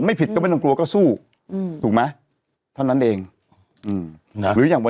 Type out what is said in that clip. อัยการให้เลื่อนได้